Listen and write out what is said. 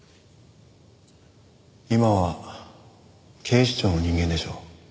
今は警視庁の人間でしょう。